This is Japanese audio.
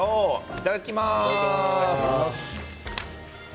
いただきます。